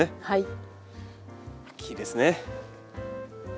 はい。